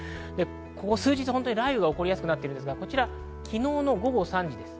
数日、雷雨が起こりやすくなっていますので昨日の午後３時です。